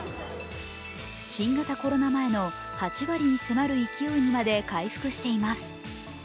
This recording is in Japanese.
新型コロナ前の８割に迫る勢いにまで回復しています。